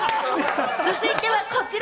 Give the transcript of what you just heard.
続いてはこちら。